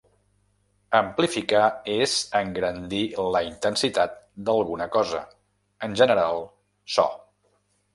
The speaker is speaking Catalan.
Amplificar és engrandir la intensitat d'alguna cosa, en general, so.